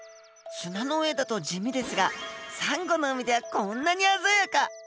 砂の上だと地味ですがサンゴの海ではこんなに鮮やか！